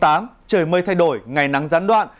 trời mây thay đổi ngày nắng gián đoạn